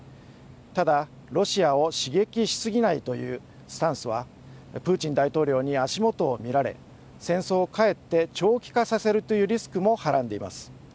ただ、ロシアを刺激しすぎないというスタンスはプーチン大統領に足元を見られ戦争をかえって長期化させるというリスクもはらんでいます。